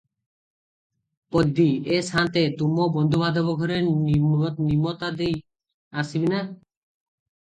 ପଦୀ -ଏ ସାନ୍ତେ! ତୁମ ବନ୍ଧୁବାନ୍ଧବ ଘରେ ନିମତା ଦେଇ ଆସିବି ନା?